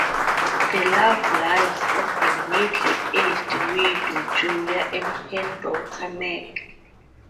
The love lives of a middle aged widow, Julia, and her daughter, Meg.